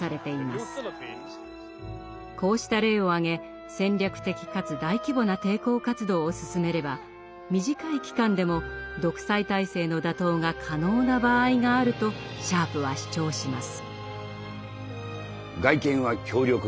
こうした例を挙げ戦略的かつ大規模な抵抗活動を進めれば短い期間でも独裁体制の打倒が可能な場合があるとシャープは主張します。